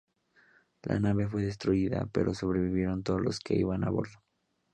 La nave fue destruida, pero sobrevivieron todos los que iban a bordo